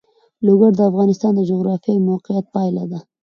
لوگر د افغانستان د جغرافیایي موقیعت پایله ده.